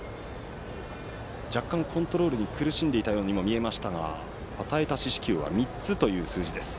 若干コントロールに苦しんでいたようにも見えましたが与えた四死球は３つという数字。